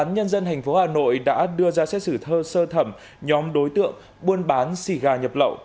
nhân dân tp hà nội đã đưa ra xét xử thơ sơ thẩm nhóm đối tượng buôn bán xỉ gà nhập lậu